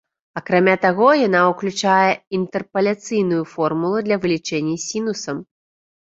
Акрамя таго, яна ўключае інтэрпаляцыйную формулу для вылічэння сінусам.